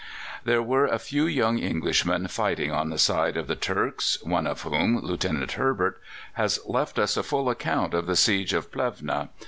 There were a few young Englishmen fighting on the side of the Turks, one of whom, Lieutenant Herbert, has left us a full account of the siege of Plevna.